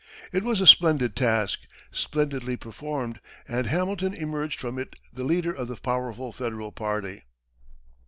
It was a splendid task, splendidly performed, and Hamilton emerged from it the leader of the powerful Federal party.